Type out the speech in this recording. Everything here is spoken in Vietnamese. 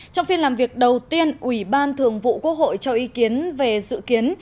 trong phiên làm việc đầu tiên ủy ban thường vụ quốc hội cho ý kiến về dự kiến